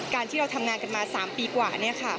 การที่เราทำงานกันมา๓ปีกว่าเนี่ยค่ะ